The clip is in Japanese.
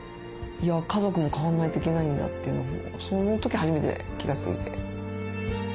家族も変わんないといけないんだというのをその時初めて気が付いて。